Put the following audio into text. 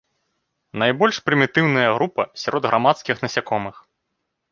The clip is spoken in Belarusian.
Найбольш прымітыўная група сярод грамадскіх насякомых.